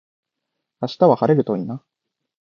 明日は晴れるといいな。